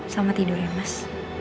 selamat tidur ya mas